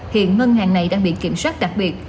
hiện ngân hàng này đang bị kiểm soát đặc biệt